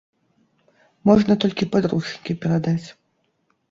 Можна толькі падручнікі перадаць.